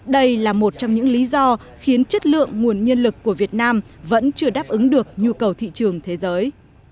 đây là một trong những lý do khiến chất lượng nguồn nhân lực của việt nam vẫn chưa đáp ứng được nhu cầu thị trường thế giới